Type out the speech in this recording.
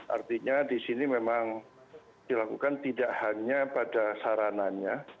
artinya di sini memang dilakukan tidak hanya pada sarananya